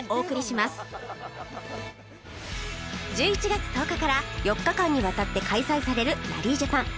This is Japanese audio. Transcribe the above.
１１月１０日から４日間にわたって開催されるラリージャパン